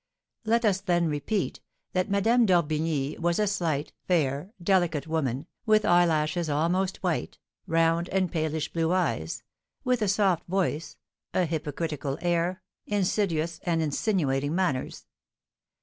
Let us then repeat, that Madame d'Orbigny was a slight, fair, delicate woman, with eyelashes almost white, round and palish blue eyes, with a soft voice, a hypocritical air, insidious and insinuating manners.